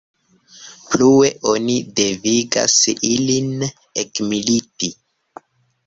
Plue oni devigas ilin ekmiliti.